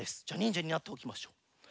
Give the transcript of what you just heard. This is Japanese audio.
じゃあにんじゃになっておきましょう。